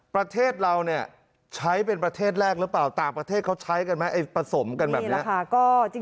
ประเทศเราเนี่ยใช้เป็นประเทศแรกหรือเปล่าต่างประเทศเขาใช้กันไหมผสมกันแบบนี้